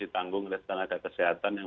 ditanggung oleh tenaga kesehatan yang